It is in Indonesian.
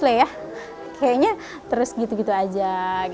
kayaknya terus begitu begitu saja